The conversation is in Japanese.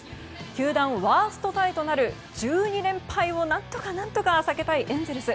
球団ワーストタイとなる１２連敗を何とか避けたいエンゼルス。